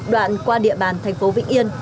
đoạn qua địa bàn thành phố vĩnh yên